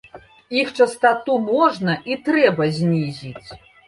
Іх частату можна і трэба знізіць.